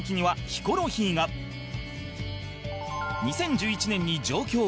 ２０１１年に上京